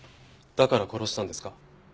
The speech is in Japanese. だから殺したんですか？